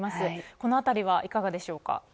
そのあたりはいかがでしょうか。